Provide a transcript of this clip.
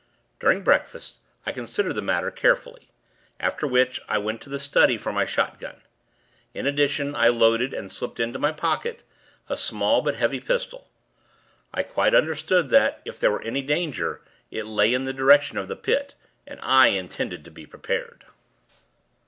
During breakfast, I considered the matter, carefully; after which, I went to the study for my shotgun. In addition, I loaded, and slipped into my pocket, a small, but heavy, pistol. I quite understood that, if there were any danger, it lay in the direction of the Pit and I intended to be prepared.